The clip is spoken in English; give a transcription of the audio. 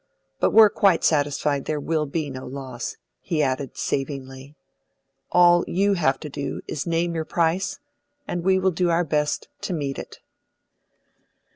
But we're quite satisfied there will be no loss," he added savingly. "All you have to do is to name your price, and we will do our best to meet it."